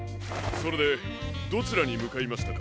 それでどちらにむかいましたか？